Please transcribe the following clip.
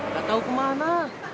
gak tau kemana